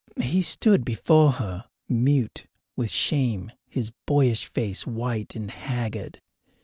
He stood before her mute with shame, his boyish face white and haggard.